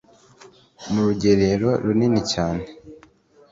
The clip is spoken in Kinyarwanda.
Mu rugerero runini cyane.”